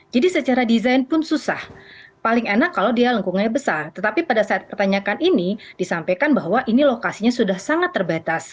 jadi secara desain pun susah paling enak kalau dia lengkungnya besar tetapi pada saat pertanyaan ini disampaikan bahwa ini lokasinya sudah sangat terbatas